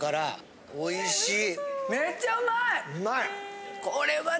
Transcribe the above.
おいしい！